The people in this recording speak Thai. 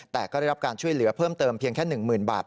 แต่ก็ได้รับการช่วยเหลือเพิ่มเติมเพียงแค่๑๐๐๐บาท